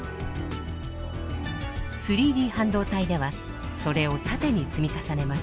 ３Ｄ半導体ではそれを縦に積み重ねます。